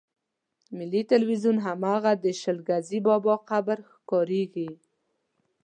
ملي ټلویزیون هماغه د شل ګزي بابا قبر ښکارېږي.